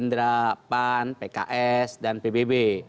indra pan pks dan pbb